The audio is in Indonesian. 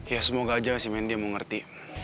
ya semoga aja sih main dia mau ngerti